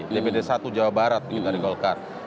dpd satu jawa barat dari golkar